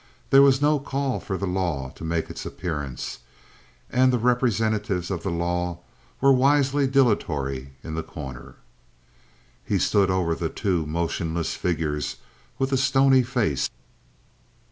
There was no call for the law to make its appearance, and the representatives of the law were wisely dilatory in The Corner. He stood over the two motionless figures with a stony face.